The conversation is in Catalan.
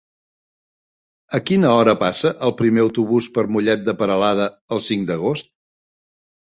A quina hora passa el primer autobús per Mollet de Peralada el cinc d'agost?